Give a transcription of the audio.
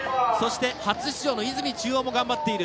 初出場の出水中央も頑張っている。